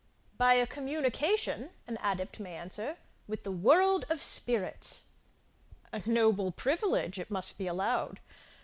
By a communication, an adept may answer, with the world of spirits. A noble privilege, it must be allowed.